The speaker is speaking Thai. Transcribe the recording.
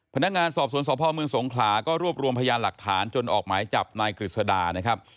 พนักงานสอบสวนสพเมืองสงขลาก็รวบรวมพยานหลักฐานจนออกหมายจับนายกฤษดานะครับ